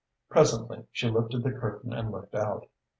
Presently she lifted the curtain and looked out.